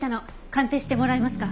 鑑定してもらえますか？